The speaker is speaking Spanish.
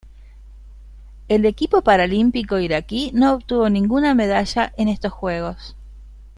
El equipo paralímpico iraquí no obtuvo ninguna medalla en estos Juegos.